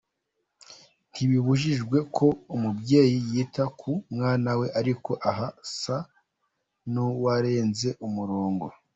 Ntibibujijwe ko umubyeyi yita ku mwana we ariko aha asa n’ uwarenze umurongo.